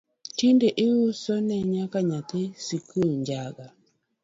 Tinde iusone nyaka nyithii sikul njaga